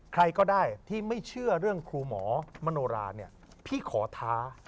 ใครก็ได้ที่ไม่เชื่อเรื่องครูหมอมโนราเนี่ยพี่ขอท้า